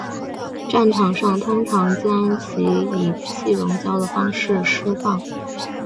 战场上通常将其以气溶胶的方式施放。